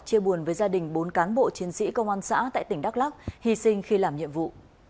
chia buồn với gia đình bốn cán bộ chiến sĩ công an xã tại tỉnh đắk lắc hy sinh khi làm nhiệm vụ